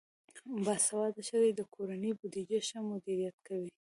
باسواده ښځې د کورنۍ بودیجه ښه مدیریت کوي.